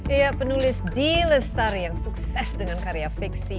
iya penulis d lestari yang sukses dengan karya fiksi